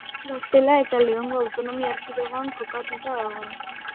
Gaztela eta Leongo Autonomia Erkidegoan kokatuta dago.